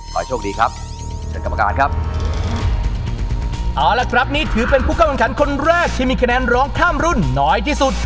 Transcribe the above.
หน่อยโชคดีฉันกรรมการ์ดครับ